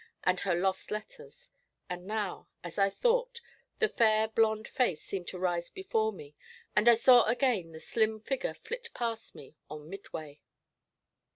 and her lost letters; and now, as I thought, the fair blond face seemed to rise before me, and I saw again the slim figure flit past me on Midway.